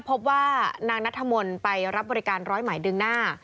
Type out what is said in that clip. พบว่านางนัทธมนต์ไปรับบริการร้อยหมายดึงหน้า